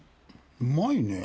うまいねぇ。